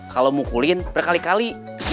kalau mukulin berkali kali